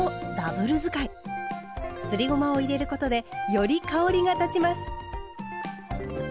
すりごまを入れることでより香りが立ちます。